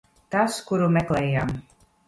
Tas, kuru meklējām.